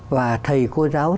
và thầy cô giáo